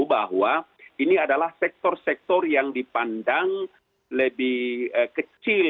bahwa ini adalah sektor sektor yang dipandang lebih kecil